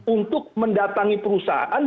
untuk mendatangi perusahaan